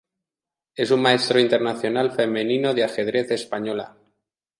Es una Maestro Internacional Femenino de ajedrez española.